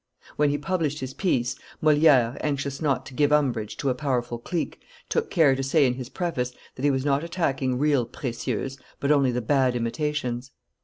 When he published his piece, Moliere, anxious not to give umbrage to a powerful clique, took care to say in his preface that he was not attacking real precieuses, but only the bad imitations.